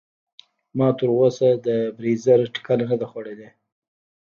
ما تر اوسه د بریځر ټکله نده خودلي.